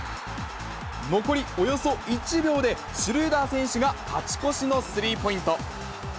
残りおよそ１秒でシュルーダー選手が勝ち越しのスリーポイント。